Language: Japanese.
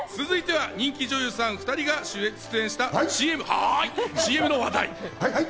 続いては人気女優さん２人が出演したＣＭ、はい！